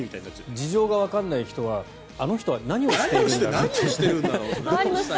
事情がわからない人はあの人は何をしているんだろう。